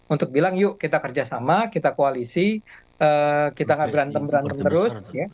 untuk bilang yuk kita kerjasama kita koalisi kita gak berantem berantem terus